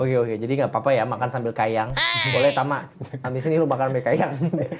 oke oke jadi enggak apa apa ya makan sambil kayang boleh tamak habis ini lo makan sambil kayang